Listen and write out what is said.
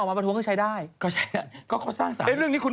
สารไม่ได้ใช้อย่างนั้น